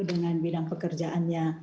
dengan bidang pekerjaannya